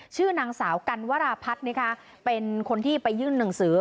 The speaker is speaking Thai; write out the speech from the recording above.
ชื่อนางสาวกันวราพัฒน์นะคะเป็นคนที่ไปยื่นหนังสือ